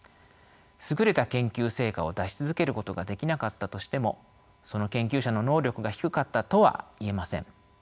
優れた研究成果を出し続けることができなかったとしてもその研究者の能力が低かったとは言えません。